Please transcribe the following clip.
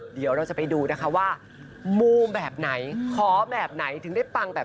เดี๋ยวเราจะไปดูนะคะว่ามูแบบไหนขอแบบไหนถึงได้ปังแบบ